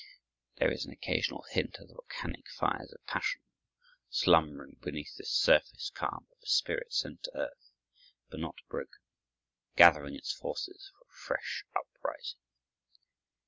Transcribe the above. There is an occasional hint of the volcanic fires of passion, slumbering beneath this surface calm of a spirit sent to earth, but not broken, gathering its forces for a fresh uprising.